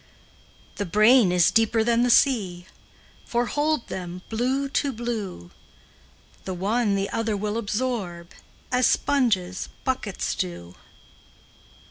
The brain is deeper than the sea, For, hold them, blue to blue, The one the other will absorb, As sponges, buckets do.